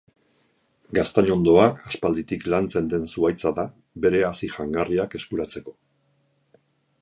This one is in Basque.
Gaztainondoa aspalditik lantzen den zuhaitza da bere hazi jangarriak eskuratzeko.